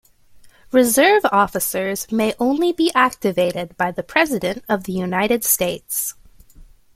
Reserve officers may only be activated by the President of the United States.